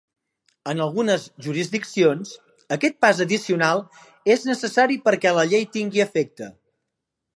En algunes jurisdiccions, aquest pas addicional és necessari perquè la llei tingui efecte.